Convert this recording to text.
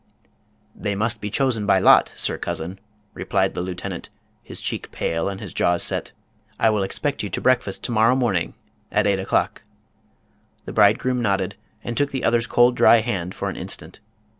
" They must be chosen by lot, sir cousin," replied the lieu 274 Bernhard Severin Ingcmann tenant, his cheek pale and his jaws set. " I will expect * ou to breakfast to morrow morning at eight o'clock." The bridegroom nodded, and took the other's cold dry hand for an instant.